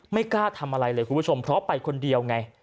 ไม่กล้าทำอะไรเลยคุณผู้ชมเพราะไปคนเดียวไง